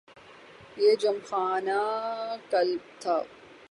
یہ gymkhana club تھا۔